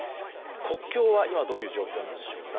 国境は、今どういう状況でしょうか。